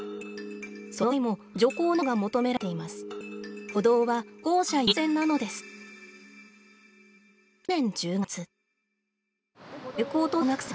その際も徐行などが求められています。